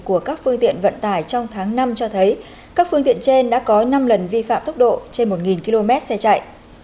của các phương tiện vận tải trong tháng năm cho thấy các phương tiện trên đã có năm lần vi phạm tốc độ trên một km xe chạy